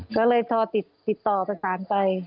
ก็เลยโทรติดต่อประสานไป